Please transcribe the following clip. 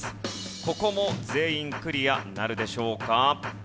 ここも全員クリアなるでしょうか？